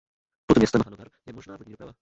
Pod městem Hannover je možná vodní doprava.